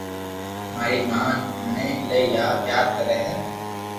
ماري ماِہ مني ايلائي پيار ڪري ھي